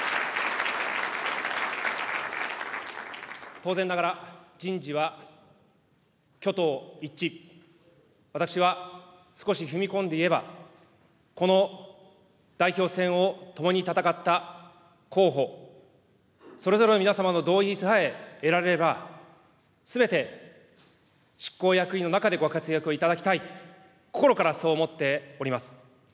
当然ながら、人事は挙党一致、私は、少し踏み込んで言えば、この代表選をともに戦った候補、それぞれの皆様の同意さえ得られれば、すべて執行役員の中でご活躍をいただきたい、心からそう思っております。